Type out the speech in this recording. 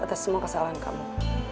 atas semua kesalahan kamu